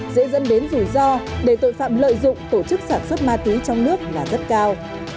dễ dẫn đến rủi ro để tội phạm lợi dụng tổ chức sản xuất ma túy trong nước là rất cao